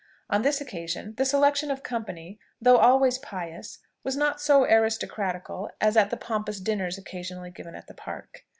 On this occasion the selection of company, though always pious, was not so aristocratical as at the pompous dinners occasionally given at the Park.